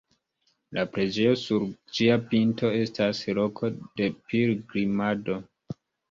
La preĝejo sur ĝia pinto estas loko de pilgrimado.